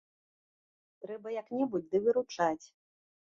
Трэба як-небудзь ды выручаць.